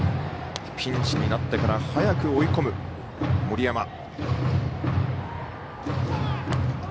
ピンチになってから早く追い込む森山。